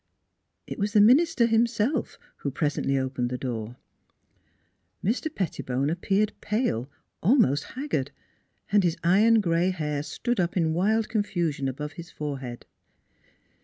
It was the minister himself who presently opened the door. Mr. Pettibone appeared pale, almost haggard, and his iron gray hair stood up in wild confusion above his forehead.